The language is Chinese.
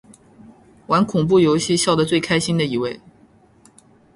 玩恐怖游戏笑得最开心的一位